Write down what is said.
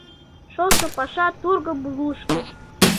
Шошо паша тургым лушкыш.